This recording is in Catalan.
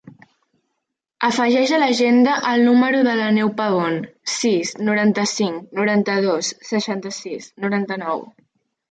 Afegeix a l'agenda el número de l'Aneu Pabon: sis, noranta-cinc, noranta-dos, seixanta-sis, noranta-nou.